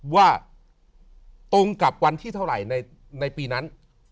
ว่าตรงกับวันที่เท่าไหร่ในปีนั้น